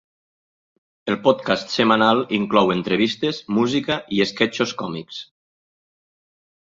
El podcast setmanal inclou entrevistes, música i esquetxos còmics.